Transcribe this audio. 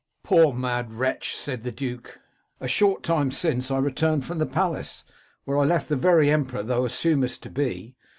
*'* Poor mad wretch !' said the duke, * a short time since, I returned from the palace, where I left the very emperor thou assumest to be.